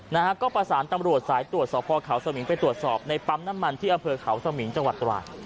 นะฮะก็ประสานตำรวจสายตรวจสอบพ่อเขาสมิงไปตรวจสอบในปั๊มน้ำมันที่อำเภอเขาสมิงจังหวัดตราด